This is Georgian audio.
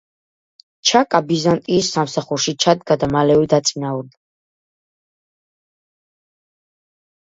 ჩაკა ბიზანტიის სამსახურში ჩადგა და მალევე დაწინაურდა.